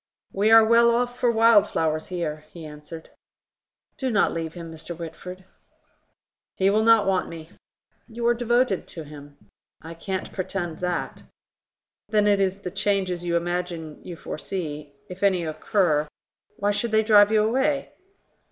"We are well off for wild flowers here," he answered. "Do not leave him, Mr. Whitford." "He will not want me." "You are devoted to him." "I can't pretend that." "Then it is the changes you imagine you foresee ... If any occur, why should they drive you away?"